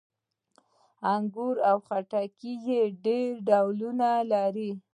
انګور او خټکي یې ډېر ډولونه لري.